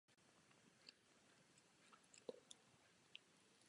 Řecko mělo poměrně silné válečné námořnictvo.